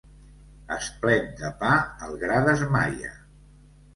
Esplet de pa el gra desmaia.